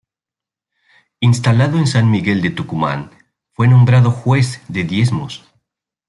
Instalado en San Miguel de Tucumán, fue nombrado Juez de Diezmos.